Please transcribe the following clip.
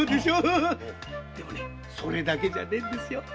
それだけじゃねえんですよ。